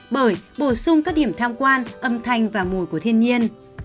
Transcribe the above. bởi bổ sung các điểm tham quan âm thanh và mùi của thiên nhiên